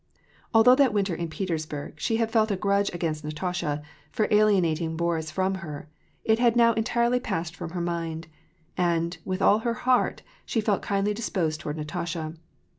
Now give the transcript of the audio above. Although that winter in Petersburg she had felt a grudge against Natasha for alienating Boris from her, it had now en tirely passed from her mind ; and, with all her heart, she felt kindly disposed toward Natasha.